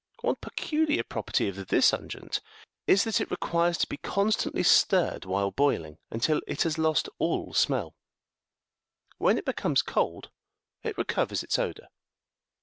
One peculiar property of this unguent is, that it requires to be constantly stirred while boiling, until it has lost all smell : when it becomes cold, it recovers its odour.